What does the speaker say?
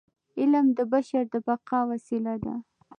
علم د بشر د بقاء وسیله ده.